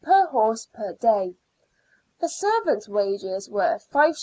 per horse per day. The servant's wages were 5s.